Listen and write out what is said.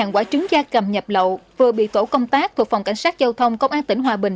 quả trứng da cầm nhập lậu vừa bị tổ công tác thuộc phòng cảnh sát giao thông công an tỉnh hòa bình